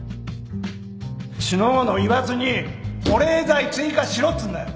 四の五の言わずに保冷剤追加しろっつうんだよ！